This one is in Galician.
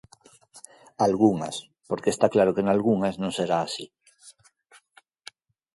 Algunhas, porque está claro que nalgunhas non será así.